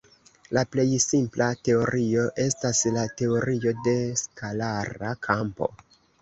La plej simpla teorio estas la teorio de skalara kampo.